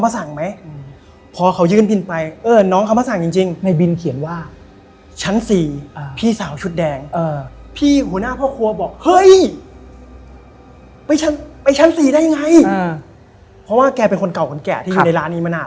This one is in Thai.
สัมภาระอะไรทุกอย่างพวกโต๊ะ